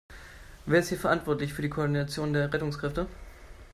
Wer ist hier verantwortlich für die Koordination der Rettungskräfte?